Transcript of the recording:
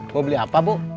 mau beli apa bu